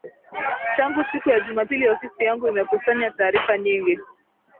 tangu siku ya jumapili ofisi yangu imekusanya taarifa nyingi